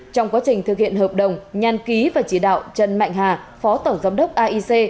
trong quá trình thực hiện hợp đồng nhàn ký và chỉ đạo trần mạnh hà phó tổng giám đốc aic